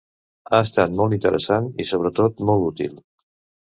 Ha estat molt interessant i sobretot molt útil!